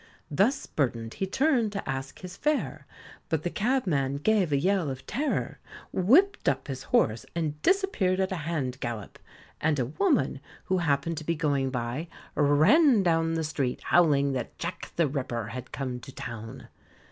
Thus burdened he turned to ask his fare, but the cabman gave a yell of terror, whipped up his horse, and disappeared at a hand gallop; and a woman who happened to be going by, ran down the street, howling that Jack the Ripper had come to town.